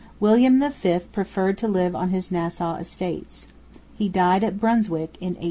William V preferred to live on his Nassau Estates. He died at Brunswick in 1806.